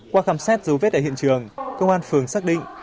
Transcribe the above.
qua khám xét dấu vết tại hiện trường công an phường xác định